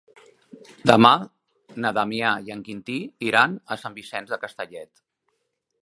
Demà na Damià i en Quintí iran a Sant Vicenç de Castellet.